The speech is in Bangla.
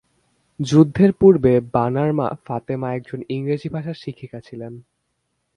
যুদ্ধের পূর্বে বানার মা ফাতেমা একজন ইংরেজি ভাষার শিক্ষিকা ছিলেন।